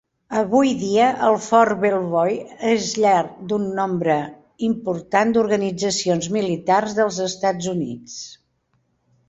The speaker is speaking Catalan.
Avui dia, el Fort Belvoir és llar d'un nombre important d'organitzacions militars dels Estats Units.